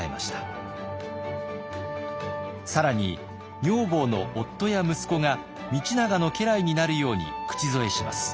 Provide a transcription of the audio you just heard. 更に女房の夫や息子が道長の家来になるように口添えします。